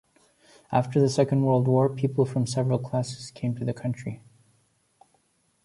After the Second World War people from several classes came to the country.